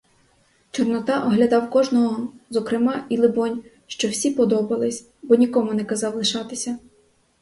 Чорнота оглядав кожного зокрема і, либонь, що всі подобались, бо нікому не казав лишатися.